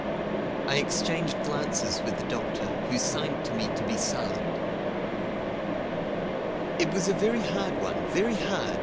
I exchanged glances with the doctor, who signed to me to be silent. "It was a very hard one very hard!"